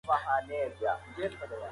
که سړکونه پاخه وي نو ګرد نه پورته کیږي.